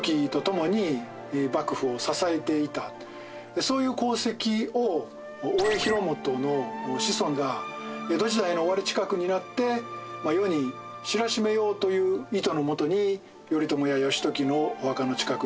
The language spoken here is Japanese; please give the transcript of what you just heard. そういう功績を大江広元の子孫が江戸時代の終わり近くになって世に知らしめようという意図のもとに頼朝や義時のお墓の近くに作ったと。